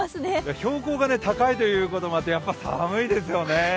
標高が高いということもあって、やっぱ寒いですよね。